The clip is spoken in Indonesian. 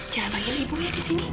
cara panggil ibu ya di sini